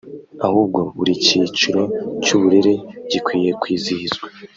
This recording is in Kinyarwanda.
ahubwo buri cyiciro cy’uburere gikwiye kwizihizwa